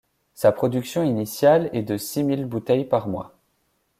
Sa production initiale est de six mille bouteilles par mois.